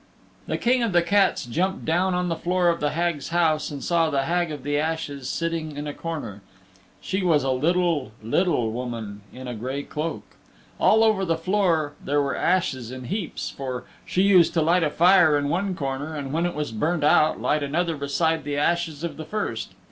The King of the Cats jumped down on the floor of the Hag's house and saw the Hag of the Ashes sitting in a corner, She was a little, little woman in a gray cloak. All over the floor there were ashes in heaps, for she used to light a fire in one corner and when it was burnt out light another beside the ashes of the first.